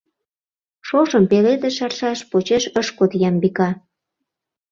— Шошым — пеледыш аршаш, — почеш ыш код Ямбика.